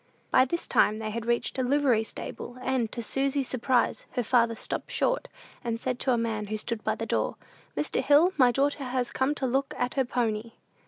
By this time they had reached a livery stable; and, to Susy's surprise, her father stopped short, and said to a man who stood by the door, "Mr. Hill, my daughter has come to look at her pony."